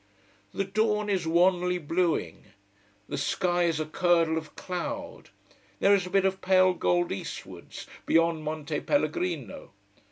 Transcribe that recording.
The dawn is wanly blueing. The sky is a curdle of cloud, there is a bit of pale gold eastwards, beyond Monte Pellegrino.